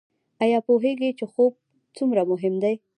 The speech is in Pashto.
ایا پوهیږئ چې خوب څومره مهم دی؟